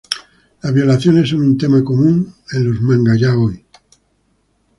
Las violaciones son un tema común en los manga yaoi.